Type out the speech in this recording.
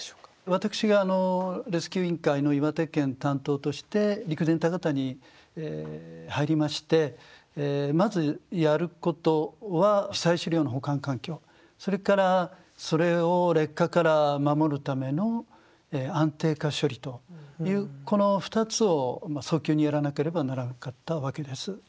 私がレスキュー委員会の岩手県担当として陸前高田に入りましてまずやることは被災資料の保管環境それからそれを劣化から守るための安定化処理というこの２つを早急にやらなければならなかったわけです。